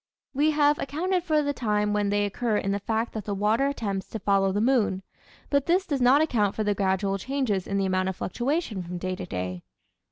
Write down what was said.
We have accounted for the time when they occur in the fact that the water attempts to follow the moon, but this does not account for the gradual changes in the amount of fluctuation from day to day.